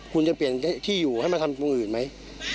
คุณจะเปลี่ยนที่อยู่ให้มาทำตรงอื่นไหม